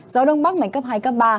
giao đông bắc mảnh cấp hai cấp ba